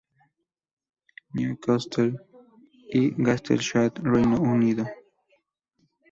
New Castle y Gateshead, Reino Unido.